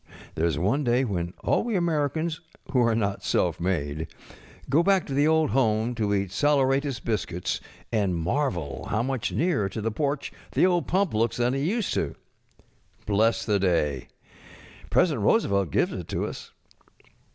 There is one day ^iien all we Americans who are not self made eo back to the old home to eat saleratus biscuits and marvel how much nearer to the porch the old pump looks than it used to. Bless the day. President Roosevelt gives it to us.